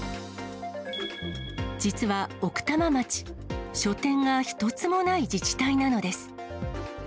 実は奥多摩町、書店が一つもない自治体なのです。